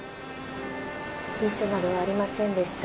遺書などはありませんでした。